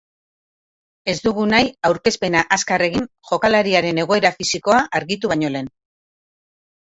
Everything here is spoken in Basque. Ez dugu nahi aurkezpena azkar egin jokalariaren egoera fisikoa argitu baino lehen.